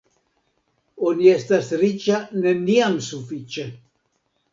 Oni estas riĉa neniam sufiĉe.